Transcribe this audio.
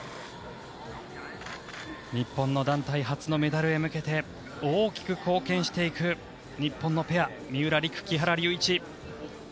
日本の団体初のメダルに向けて大きく貢献していく日本のペア三浦璃来・木原龍一。